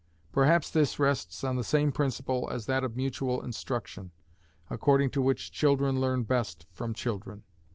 Perhaps this rests on the same principle as that of mutual instruction, according to which children learn best from children.